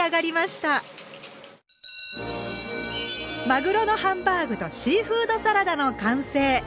まぐろのハンバーグとシーフードサラダの完成。